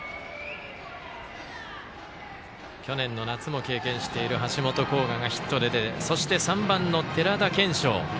去年の夏も経験している橋本航河がヒットで出てそして、３番の寺田賢生。